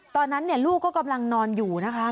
ตอนนั้นลูกก็กำลังนอนอยู่นะคะ